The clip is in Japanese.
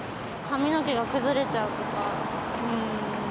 髪の毛が崩れちゃうとか。